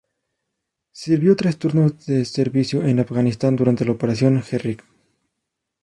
Sirvió tres turnos de servicio en Afganistán durante la Operación Herrick:.